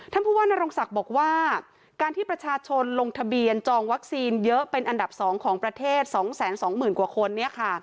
ผู้ว่านรงศักดิ์บอกว่าการที่ประชาชนลงทะเบียนจองวัคซีนเยอะเป็นอันดับ๒ของประเทศ๒๒๐๐๐กว่าคน